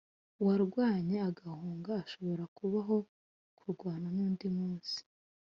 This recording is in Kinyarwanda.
uwarwanye agahunga, ashobora kubaho kurwana nundi munsi